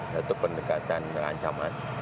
satu pendekatan ancaman